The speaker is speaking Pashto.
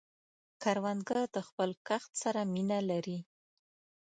کروندګر د خپل کښت سره مینه لري